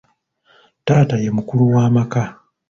Taata ye mukulu w'amaka.